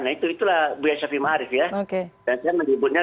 nah itu itulah biaya syafi'i ma'rif ya